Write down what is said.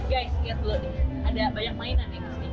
guys liat dulu deh ada banyak mainan di sini